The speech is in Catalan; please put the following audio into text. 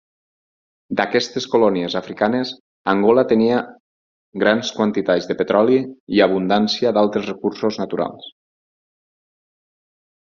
D'aquestes colònies africanes, Angola tenia grans quantitats de petroli i abundància d'altres recursos naturals.